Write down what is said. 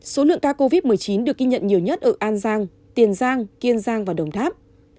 số lượng ca covid một mươi chín được ghi nhận nhiều nhất ở an giang tiền giang kiên giang và đồng tháp